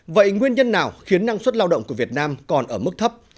vậy nguyên nhân nào khiến năng suất lao động của việt nam còn ở mức thấp